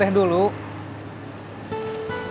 aku mau lihat